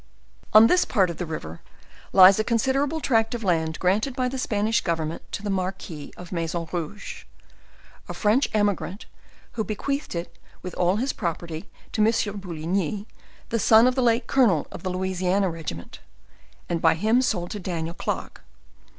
On this part of the river, lies a considerable tract of land granted by the Spanish government to the Marquis of Mai son Rouge, a French emigrant, who bequeathed it with all his property to M. Bouligny. son of the late Colonel of the Louisiana regiment, and by him sold to Daniel Clarke.